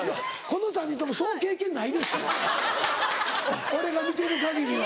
この３人ともそう経験ないですよ。俺が見てる限りは。